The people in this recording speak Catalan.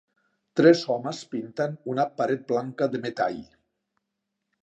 Tres homes pinten una paret blanca de metall.